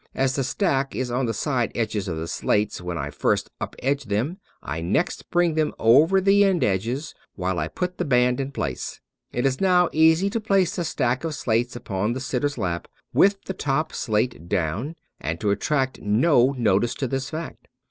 As the stack is on the side edges of the slates when I first up edge them, I next bring them upon the end edges, while I put the band in place. It is now easy to place the stack of slates upon the sitter's lap with the top slate down 248 David P. Abbott and to attract no notice to this fact.